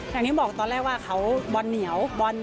อย่างที่บอกตอนแรกว่าเขาบอลเหนียวบอล